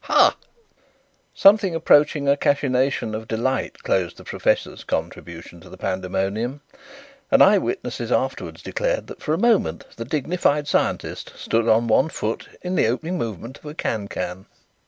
Hah!" Something approaching a cachinnation of delight closed the professor's contribution to the pandemonium, and eyewitnesses afterwards declared that for a moment the dignified scientist stood on one foot in the opening movement of a can can.